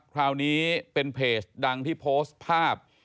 คราวนี้เป็นเพจดังที่โพสต์ภาพ